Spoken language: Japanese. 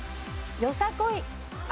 よさこい。